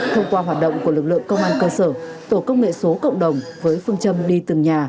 thông qua hoạt động của lực lượng công an cơ sở tổ công nghệ số cộng đồng với phương châm đi từng nhà